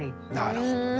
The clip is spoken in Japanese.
なるほどね。